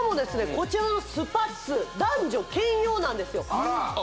こちらのスパッツ男女兼用なんですよああ